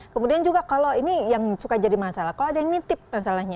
kemudian juga kalau ini yang suka jadi masalah kalau ada yang nitip masalahnya